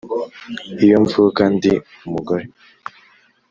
iyo mvuka ndi umugore